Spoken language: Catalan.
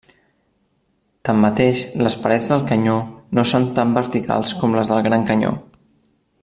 Tanmateix, les parets del canyó no són tan verticals com les del Gran Canyó.